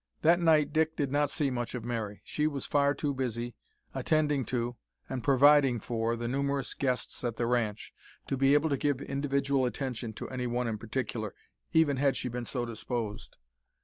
That night Dick did not see much of Mary. She was far too busy attending to, and providing for, the numerous guests at the ranch to be able to give individual attention to any one in particular even had she been so disposed.